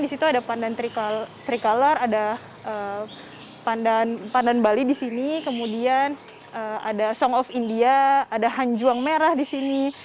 di situ ada pandan tricolor ada pandan bali di sini kemudian ada song of india ada hanjuang merah di sini